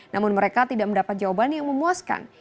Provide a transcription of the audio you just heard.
namun mereka tidak mendapat jawaban yang memuaskan